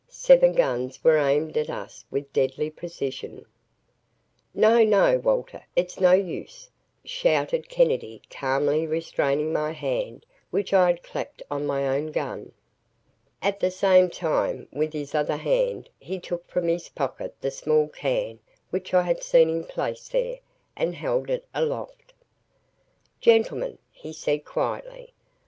Seven guns were aimed at us with deadly precision. "No no Walter it's no use," shouted Kennedy calmly restraining my hand which I had clapped on my own gun. At the same time, with his other hand, he took from his pocket the small can which I had seen him place there, and held it aloft. "Gentlemen," he said quietly.